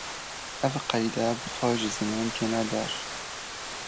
Ev qeyde bi xwe ji zimên têne der